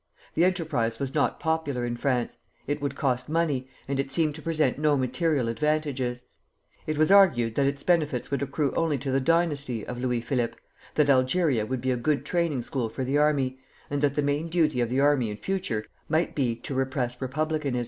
The enterprise was not popular in France. It would cost money, and it seemed to present no material advantages. It was argued that its benefits would accrue only to the dynasty of Louis Philippe, that Algeria would be a good training school for the army, and that the main duty of the army in future might be to repress republicanism.